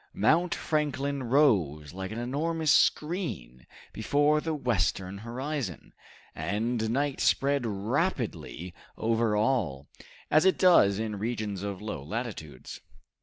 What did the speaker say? Mount Franklin rose like an enormous screen before the western horizon, and night spread rapidly over all, as it does in regions of low latitudes.